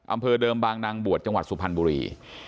อำเภอเดิมบางนางบวชจังหวัดสุพรรณบุรี